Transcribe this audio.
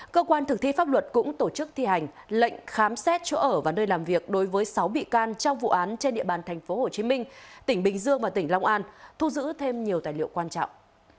cơ quan thực thi pháp luật cũng tổ chức thi hành lệnh khám xét chỗ ở và nơi làm việc đối với sáu bị can trong vụ án trên địa bàn tp hcm tỉnh bình dương và tỉnh long an thu giữ thêm nhiều tài liệu quan trọng